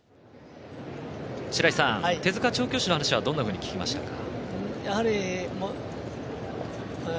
白井さん、手塚調教師の話はどんなふうに聞きましたか？